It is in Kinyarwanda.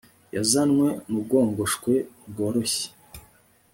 yazanwe mu bwongoshwe bworoshye